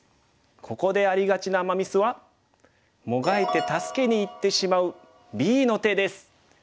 ここでありがちなアマ・ミスはもがいて助けにいってしまうＢの手です。